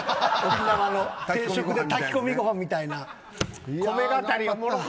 沖縄の定食のった炊き込みご飯みたいな。